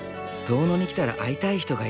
遠野に来たら会いたい人がいる。